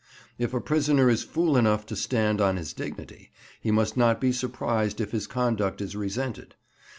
If a prisoner is fool enough to stand on his dignity, he must not be surprised if his conduct is resented.